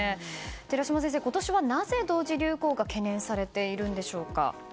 寺嶋先生、今年はなぜ同時流行が懸念されているんでしょうか。